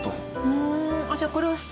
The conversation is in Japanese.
ふんじゃあこれは。